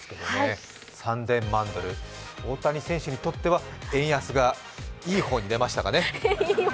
３０００万ドル、大谷選手にとっては円安がいい方に出ましたかね。